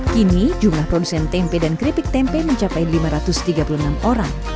kini jumlah produsen tempe dan keripik tempe mencapai lima ratus tiga puluh enam orang